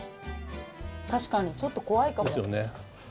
確かにちょっと怖いかも。